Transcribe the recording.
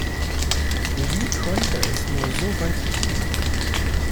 Wie konnte es nur so weit kommen?